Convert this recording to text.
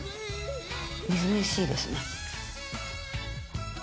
みずみずしいですね。